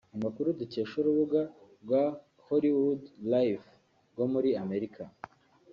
Amakuru dukesha urubuga hollwoodlife rwo muri Amerika